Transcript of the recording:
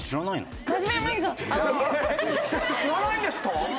知らないんですか？